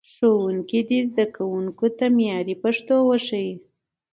ښوونکي دې زدهکوونکو ته معیاري پښتو وښيي.